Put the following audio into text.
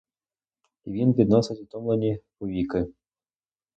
І він підносить утомлені повіки.